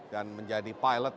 dan menjadi pilot